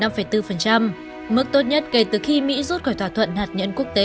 mức tốt nhất kể từ khi mỹ rút khỏi thỏa thuận hạt nhân quốc tế